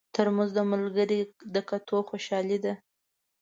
ترموز د ملګري د کتو خوشالي ده.